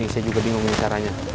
ini saya juga bingung caranya